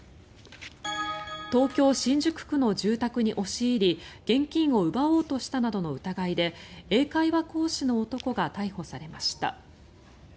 東京・新宿区の住宅に押し入り現金を奪おうとしたなどの疑いで英会話講師の男が逮捕されました。